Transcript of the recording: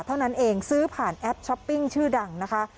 เท่านั้นเองซื้อผ่านแอปช้อปปิ้งชื่อดังนะคะ